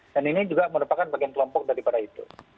dan ini juga merupakan bagian kelompok daripada itu